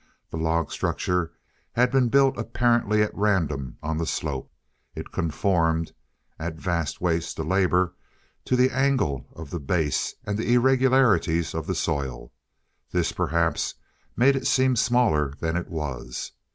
The log structure had been built apparently at random on the slope. It conformed, at vast waste of labor, to the angle of the base and the irregularities of the soil. This, perhaps, made it seem smaller than it was.